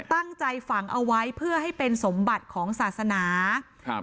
ตั้งใจฝังเอาไว้เพื่อให้เป็นสมบัติของศาสนาครับ